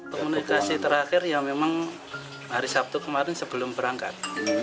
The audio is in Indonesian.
komunikasi terakhir ya memang hari sabtu kemarin sebelum berangkat